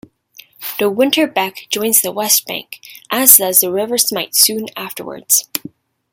The Winter Beck joins the west bank, as does the River Smite soon afterwards.